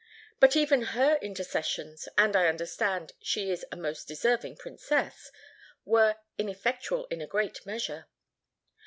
But even her intercessions—and I understand she is a most deserving princess—were ineffectual in a great measure."